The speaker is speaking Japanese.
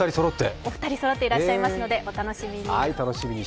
お２人そろっていらっしゃいますのでお楽しみに。